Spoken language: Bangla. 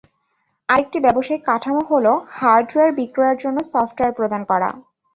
আরেকটি ব্যবসায়িক কাঠামো হল, হার্ডওয়্যার বিক্রয়ের জন্য সফটওয়্যার প্রদান করা।